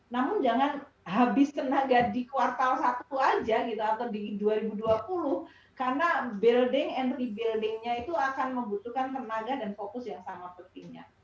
namun jangan habis tenaga di kuartal satu aja gitu atau di dua ribu dua puluh karena building and rebuildingnya itu akan membutuhkan tenaga dan fokus yang sama pentingnya